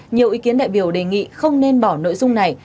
nhiều ý kiến đại biểu đề nghị không nên bỏ nội dung này